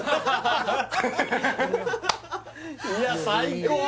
いや最高！